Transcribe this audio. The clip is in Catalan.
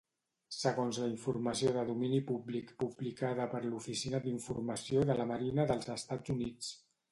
Segons la informació de domini públic publicada per l'Oficina d'informació de la Marina dels Estats Units.